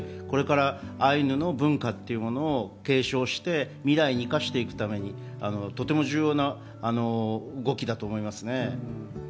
これからアイヌの文化というものを継承して、未来に生かしていくために、とても重要な動きだと思いますね。